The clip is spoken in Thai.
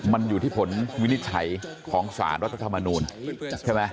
มันอยู่ที่ผลวินิจฉัยของสารรัฐธรรมนูลใช่ไหม